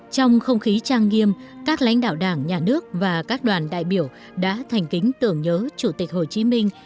trong không khí trang nghiêm các lãnh đạo đảng nhà nước và các đoàn đại biểu đã thành kính tưởng nhớ chủ tịch hồ chí minh